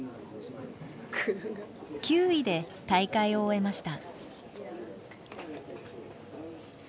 ９位で大会を終えました。